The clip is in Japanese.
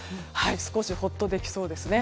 少しほっとできそうですね。